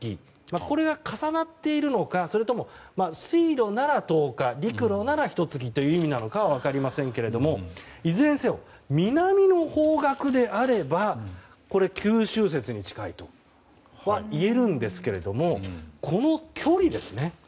これが重なっているのかそれとも、水路なら１０日陸路ならひと月というかは分かりませんけれどもいずれにせよ、南の方角であればこれは九州説に近いといえるんですけどもこの距離ですね。